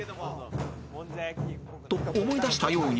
［と思い出したように］